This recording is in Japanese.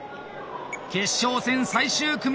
決勝戦最終組